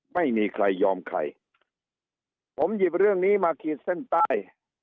ไม่มีใครยอมใครผมหยิบเรื่องนี้มาขีดเส้นใต้